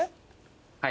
はい。